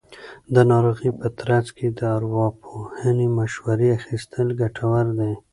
د ناروغۍ په ترڅ کې د ارواپوهنې مشورې اخیستل ډېر ګټور دي.